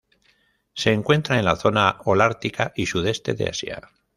Se encuentra en la zona holártica y Sudeste de Asia.